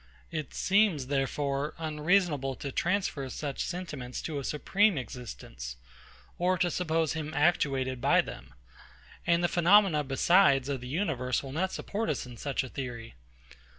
It seems, therefore, unreasonable to transfer such sentiments to a supreme existence, or to suppose him actuated by them; and the phenomena besides of the universe will not support us in such a theory.